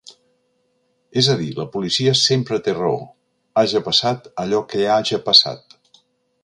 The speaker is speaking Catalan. És a dir, la policia sempre té raó, haja passat allò que haja passat.